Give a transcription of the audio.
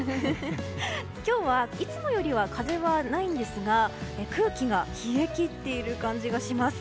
今日はいつもよりは風はないんですが空気が冷え切っている感じがします。